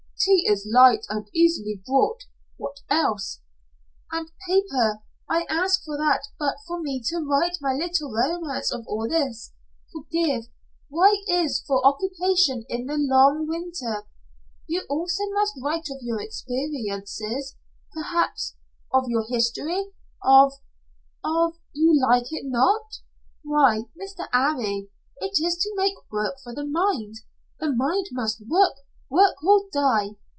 "Tea is light and easily brought. What else?" "And paper. I ask for that but for me to write my little romance of all this forgive it is for occupation in the long winter. You also must write of your experiences perhaps of your history of of You like it not? Why, Mr. 'Arry! It is to make work for the mind. The mind must work work or die.